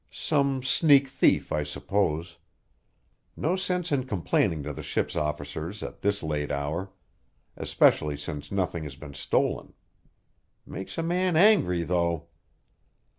"Some sneak thief, I suppose. No sense in complaining to the ship's officers at this late hour, especially since nothing has been stolen. Makes a man angry, though!"